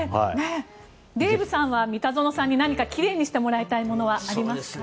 デーブさんは三田園さんにきれいにしてもらいたいものはありますか？